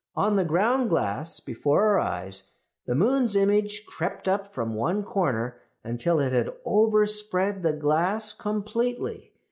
"On the ground glass before our eyes the moon's image crept up from one corner until it had overspread the glass completely.